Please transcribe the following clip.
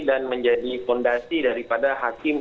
dan menjadi fondasi daripada hakim